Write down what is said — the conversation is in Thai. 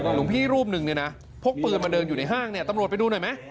หลวงพี่รูปหนึ่งเนี่ยนะพกปืนมาเดินอยู่ในห้างเนี่ยตำรวจไปดูหน่อยไหม